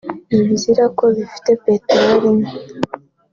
ntibizira ko bifite peteroli nke